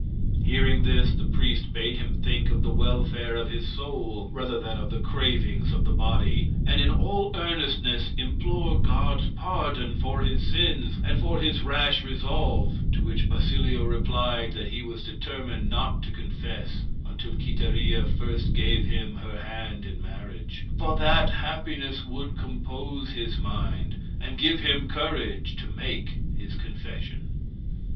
Hearing this the priest bade him think of the welfare of his soul rather than of the cravings of the body, and in all earnestness implore God's pardon for his sins and for his rash resolve; to which Basilio replied that he was determined not to confess unless Quiteria first gave him her hand in marriage, for that happiness would compose his mind and give him courage to make his confession.